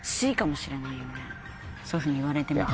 そういうふうに言われてみたら。